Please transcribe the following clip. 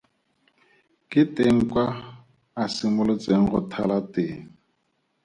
Ke teng kwa a simolotseng go thala teng.